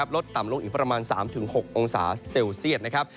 ลดต่ำลงอีกประมาณ๓๖องศาเซลเซียตนะครับ